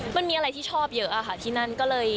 มันมีอะไรที่ชอบเยอะค่ะที่นั่นก็เลย